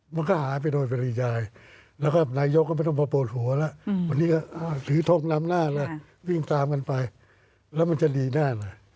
มันก็หายไปโดยปริยายแล้วก็นายกก็ไม่ต้องมาปวดหัวแล้ววันนี้ก็ถือทงนำหน้าเลยวิ่งตามกันไปแล้วมันจะดีแน่เลย